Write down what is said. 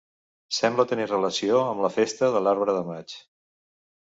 Sembla tenir relació amb la festa de l'Arbre de Maig.